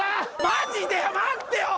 マジで待ってよ！